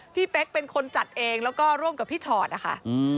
เป๊กเป็นคนจัดเองแล้วก็ร่วมกับพี่ชอตนะคะ